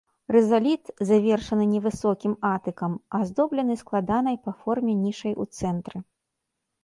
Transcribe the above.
Рызаліт, завершаны невысокім атыкам, аздоблены складанай па форме нішай у цэнтры.